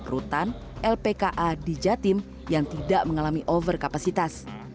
rutan lpka di jatim yang tidak mengalami overkapasitas